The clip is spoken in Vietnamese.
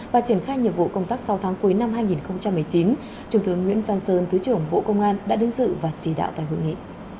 và triển khai nhiệm vụ công tác sáu tháng cuối năm hai nghìn một mươi chín trung tướng nguyễn văn sơn thứ trưởng bộ công an đã đến dự và chỉ đạo tại hội nghị